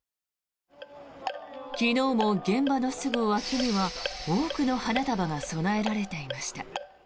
昨日も現場のすぐ脇には多くの花束が供えられていました。